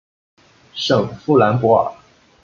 圣夫兰博尔。